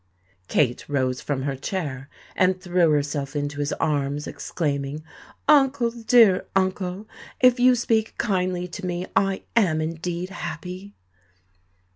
Kate rose from her chair, and threw herself into his arms, exclaiming, "Uncle—dear uncle, if you speak kindly to me, I am indeed happy!"